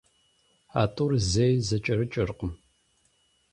А тӀур зэи зэкӀэрыкӀыркъым.